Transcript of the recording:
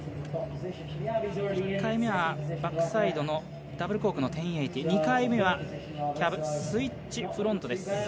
１回目はバックサイドのダブルコークの１０８０２回目はキャブスイッチフロントです。